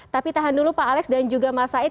tapi tahan dulu pak alex dan juga mas said